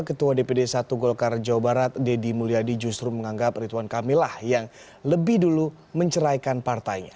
ketua dpd satu golkar jawa barat deddy mulyadi justru menganggap ridwan kamillah yang lebih dulu menceraikan partainya